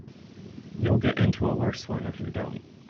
You'll get into a worse one if you don't.